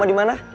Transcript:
kamu di mana